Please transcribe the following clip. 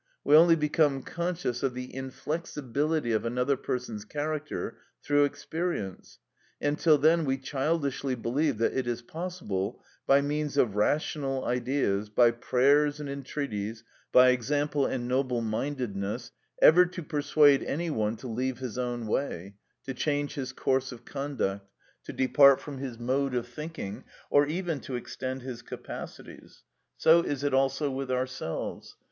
_ We only become conscious of the inflexibility of another person's character through experience, and till then we childishly believe that it is possible, by means of rational ideas, by prayers and entreaties, by example and noble mindedness, ever to persuade any one to leave his own way, to change his course of conduct, to depart from his mode of thinking, or even to extend his capacities: so is it also with ourselves.